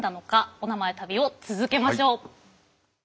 おなまえ旅を続けましょう。